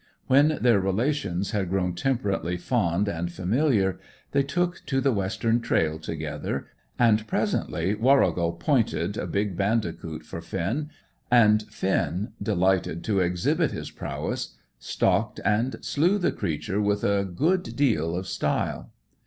When their relations had grown temperately fond and familiar they took to the western trail together, and presently Warrigal "pointed" a big bandicoot for Finn, and Finn, delighted to exhibit his prowess, stalked and slew the creature with a good deal of style.